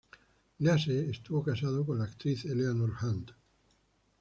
Lease estuvo casado con la actriz Eleanor Hunt.